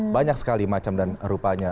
banyak sekali macam dan rupanya